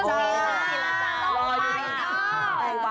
ก็ต้องไหล้เนอะ